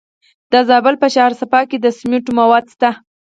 د زابل په شهر صفا کې د سمنټو مواد شته.